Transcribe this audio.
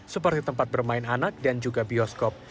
seperti tempat bermain anak dan juga bioskop